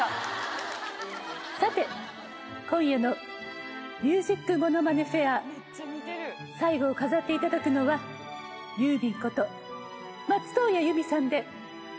さて今夜の『ＭＵＳＩＣものまねＦＡＩＲ』最後を飾っていただくのはユーミンこと松任谷由実さんで。